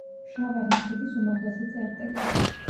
შავანის ქედის უმაღლესი წერტილი.